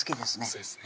そうですね